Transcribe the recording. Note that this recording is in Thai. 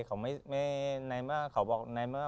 เขาบอกในเมื่อมาคบกับเขา